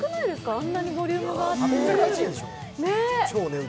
あれだけボリュームがあって。